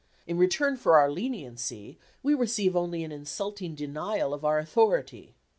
In return for our leniency we receive only an insulting denial of our authority.